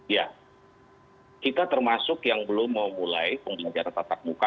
ya kita termasuk yang belum mau mulai penggunaan tatap muka